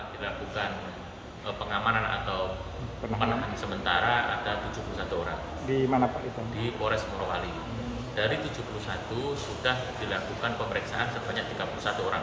dari tujuh puluh satu sudah dilakukan pemeriksaan sebanyak tiga puluh satu orang